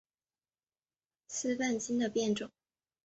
细裂条叶丝瓣芹为伞形科丝瓣芹属条叶丝瓣芹的变种。